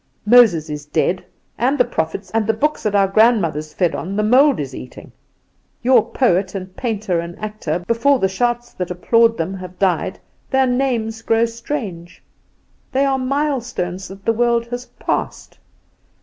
Moses is dead, and the prophets and the books that our grandmothers fed on the mould is eating. Your poet and painter and actor, before the shouts that applaud them have died their names grow strange, they are milestones that the world has passed.